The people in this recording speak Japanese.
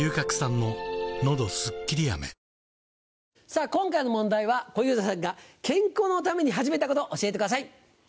さぁ今回の問題は小遊三さんが「健康のために始めたこと」教えてください。